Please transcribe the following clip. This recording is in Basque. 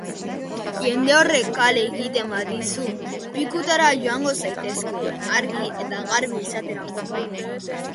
Jende horrek kale egiten badizu pikutara joan zaitezke, argi eta garbi esateko.